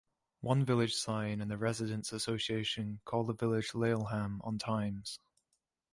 One village sign and the residents' association call the village Laleham on Thames.